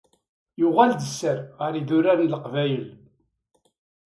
Yuɣal-d sser ɣer idurar n leqbayel.